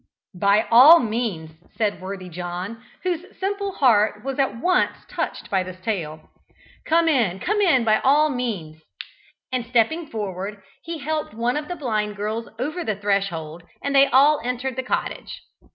"By all means," said worthy John, whose simple heart was at once touched by this tale. "Come in, come in by all means," and stepping forward, he helped one of the blind girls over the threshold and they all entered the cottage.